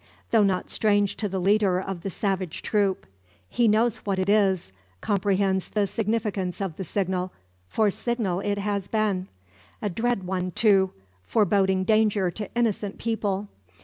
Though not strange to the leader of the savage troop. He knows what it is comprehends the significance of the signal for signal it has been. A dread one, too, foreboding danger to innocent people.